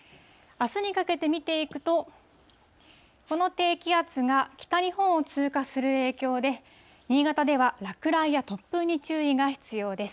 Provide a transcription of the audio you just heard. あすにかけて見ていくと、この低気圧が北日本を通過する影響で、新潟では落雷や突風に注意が必要です。